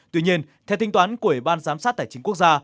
tuy nhiên theo tinh toán của ủy ban giám sát tài chính quốc gia